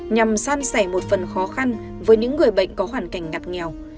nhằm san sẻ một phần khó khăn với những người bệnh có hoàn cảnh ngặt nghèo